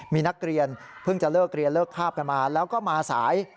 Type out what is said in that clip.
มีนักเรียนเพิ่งจะเลิกเรียนเลิกคาบกันมาแล้วก็มาสาย